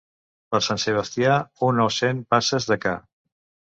Per Sant Sebastià, una o cent passes de ca.